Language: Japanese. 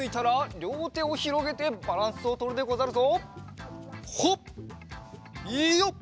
りょうてをひろげてバランスをとるでござるぞ。